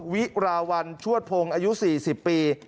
วิราวัลชั่วโพงอายุ๔๐ปี